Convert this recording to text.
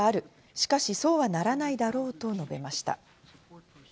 しかしそうはならないだろうと述べました。